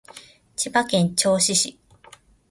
千葉県銚子市